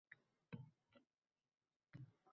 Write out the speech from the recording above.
Lekin Habiba buvi tuzalmadi...